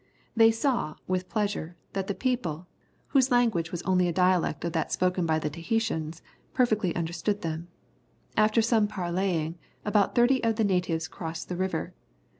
They saw, with pleasure, that the people, whose language was only a dialect of that spoken by the Tahitans, perfectly understood them. After some parleying, about thirty of the natives crossed the river.